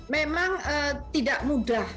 memang tidak mudah